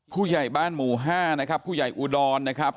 ผู้ใหญ่บ้านหมู่๕นะครับผู้ใหญ่อุดรนะครับ